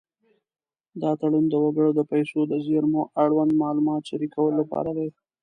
دا تړون د وګړو د پیسو د زېرمو اړوند معلومات شریکولو لپاره دی.